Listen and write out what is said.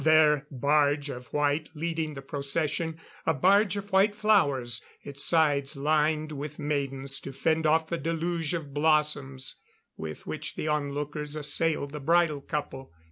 Their barge of white leading the procession a barge of white flowers, its sides lined with maidens to fend off the deluge of blossoms with which the onlookers assailed the bridal couple.